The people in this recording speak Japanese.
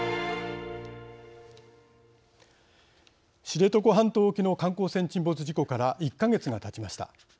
知床半島沖の観光船沈没事故から１か月がたちました。